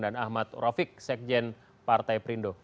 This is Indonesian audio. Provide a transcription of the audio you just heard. dan ahmad rafiq sekjen partai prindo